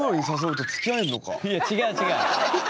いや違う違う。